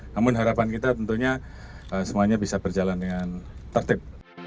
namun harapan kita tentunya semuanya bisa berjalan dengan tertib